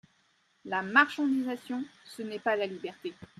La marchandisation, ce n’est pas la liberté.